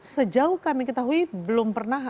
sejauh kami ketahui belum pernah